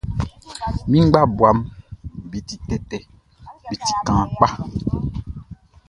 Mi ngbabuaʼm be ti tɛtɛ, be ti kaan kpa.